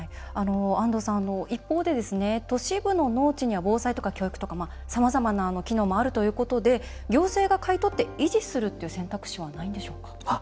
安藤さん、一方で都市部の農地には、防災とか教育とか、さまざまな機能もあるということで行政が買い取って維持するという選択肢はないんでしょうか？